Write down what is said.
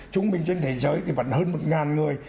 chúng mình trên thế giới thì vẫn hơn một người